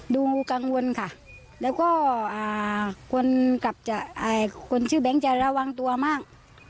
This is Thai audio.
ดูกังวลค่ะแล้วก็คนกับคนชื่อแบงค์จะระวังตัวมาก